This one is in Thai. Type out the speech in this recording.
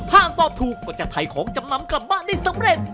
หากตอบถูกก็จะถ่ายของจำนำกลับบ้านได้สำเร็จ